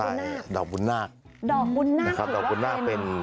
อันนี้เป็นผ้าลายดอกพุนนาศ